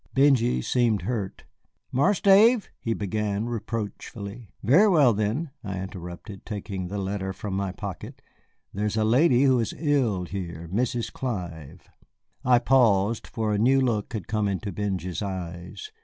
Benjy seemed hurt. "Marse Dave " he began reproachfully. "Very well, then," I interrupted, taking the letter from my pocket, "there is a lady who is ill here, Mrs. Clive " I paused, for a new look had come into Benjy's eyes.